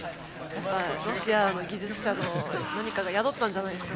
ロシアの技術者の何かが宿ったんじゃないですかね。